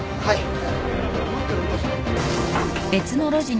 はい。